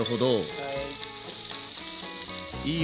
はい。